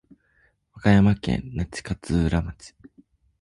和歌山県那智勝浦町